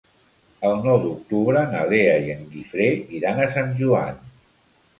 El nou d'octubre na Lea i en Guifré iran a Sant Joan.